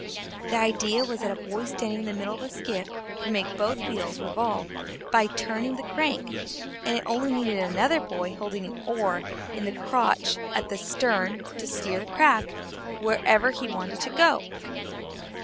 The idea was that a boy standing in the middle of the skiff could make both wheels revolve by turning the crank, and it needed only another boy holding an oar in a crotch at the stern to steer the craft wherever he wanted it to go.